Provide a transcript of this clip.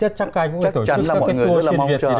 chắc chắn là mọi người rất là mong chờ